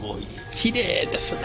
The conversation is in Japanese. きれいですね